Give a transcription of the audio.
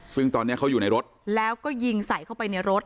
ซึ่งตอนนี้เขาอยู่ในรถแล้วก็ยิงใส่เข้าไปในรถ